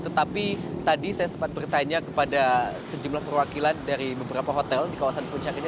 tetapi tadi saya sempat bertanya kepada sejumlah perwakilan dari beberapa hotel di kawasan puncak ini